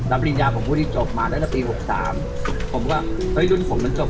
รับปริญญาของผู้ที่จบมาตั้งแต่ปี๖๓ผมก็เฮ้ยรุ่นผมมันจบ